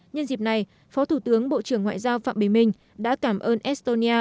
nhân dịp này phó thủ tướng bộ trưởng ngoại giao phạm bình minh đã cảm ơn estonia